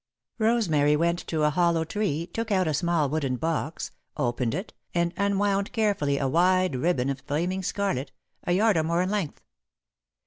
Rosemary went to a hollow tree, took out a small wooden box, opened it, and unwound carefully a wide ribbon of flaming scarlet, a yard or more in length.